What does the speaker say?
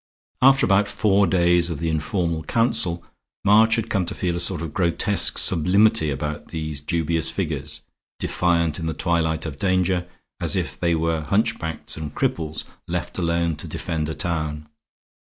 After about four days of the informal council, March had come to feel a sort of grotesque sublimity about these dubious figures, defiant in the twilight of danger, as if they were hunchbacks and cripples left alone to defend a town.